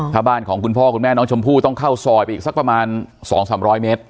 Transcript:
ถ้าบ้านของคุณพ่อคุณแม่น้องชมพู่ต้องเข้าซอยไปอีกสักประมาณ๒๓๐๐เมตร